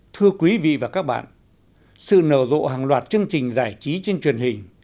thưa quý vị và các bạn sự nở rộ hàng loạt chương trình giải trí trên truyền hình